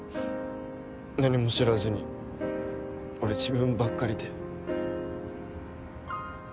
何も知らずに俺自分ばっかりで。